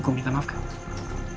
gue minta maaf kak